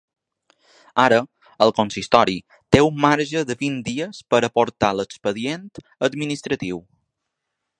Ara, el consistori té un marge de vint dies per aportar l’expedient administratiu.